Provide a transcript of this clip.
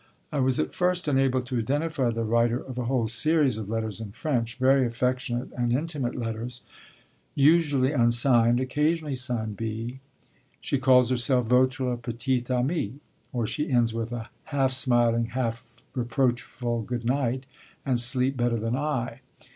I was at first unable to identify the writer of a whole series of letters in French, very affectionate and intimate letters, usually unsigned, occasionally signed 'B.' She calls herself votre petite amie; or she ends with a half smiling, half reproachful 'good night, and sleep better than I.'